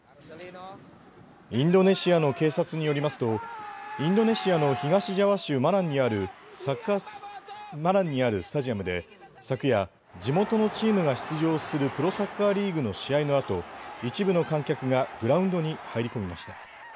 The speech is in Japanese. インドネシアの警察によりますとインドネシアの東ジャワ州マランにあるスタジアムで昨夜地元のチームが出場するプロサッカーリーグの試合のあと一部の観客がグラウンドに入り込みました。